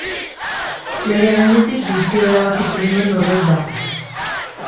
Bere gainetik guztia erabakitzen duen norbait dago.